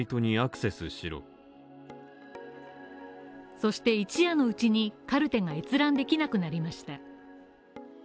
そして一夜のうちにカルテが閲覧できなくなりました。